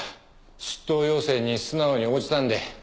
出頭要請に素直に応じたんで。